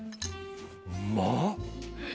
うまっ。